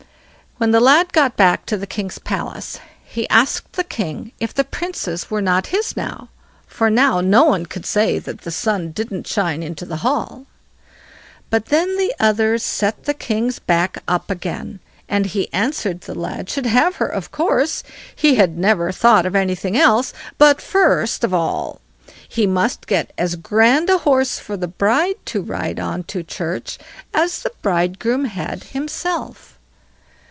When the lad got back to the king's palace, he asked the king if the Princess were not his now; for now no one could say that the sun didn't shine into the hall. But then the others set the king's back up again, and he answered the lad should have her of course, he had never thought of anything else; but first of all he must get as grand a horse for the bride to ride on to church as the bridegroom had himself.